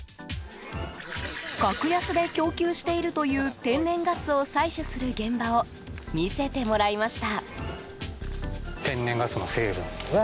格安で供給しているという天然ガスを採取する現場を見せてもらいました。